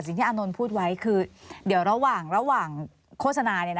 ที่อานนท์พูดไว้คือเดี๋ยวระหว่างโฆษณา